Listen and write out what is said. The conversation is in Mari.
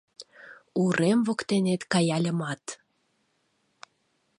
Урем воктенет каяльымат